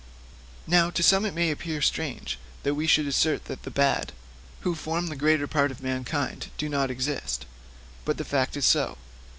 Now, to some it may seem strange that we should assert that the bad, who form the greater part of mankind, do not exist. But the fact is so.